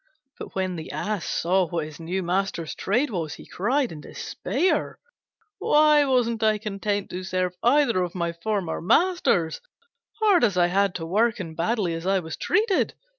But when the Ass saw what his new master's trade was, he cried in despair, "Why wasn't I content to serve either of my former masters, hard as I had to work and badly as I was treated?